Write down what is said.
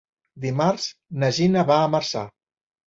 Dimarts na Gina va a Marçà.